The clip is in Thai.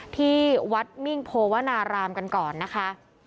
ที่วัดมิ่งโพวนารามกันก่อนนะคะ